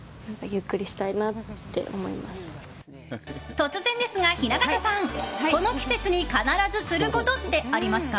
突然ですが、雛形さんこの季節に必ずすることってありますか？